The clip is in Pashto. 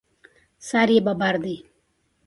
سر یې ببر دی.